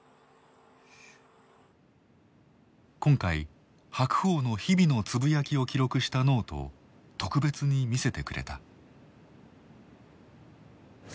今回白鵬の日々のつぶやきを記録したノートを特別に見せてくれた。